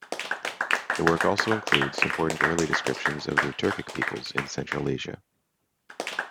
The work also includes important early descriptions of the Turkic peoples in Central Asia.